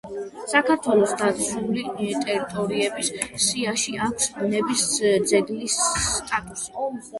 საქართველოს დაცული ტერიტორიების სიაში აქვს ბუნების ძეგლის სტატუსი.